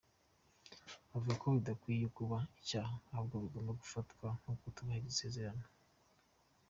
Ivuga ko bidakwiye kuba icyaha, ahubwo bigomba gufatwa nko kutubahiriza isezerano.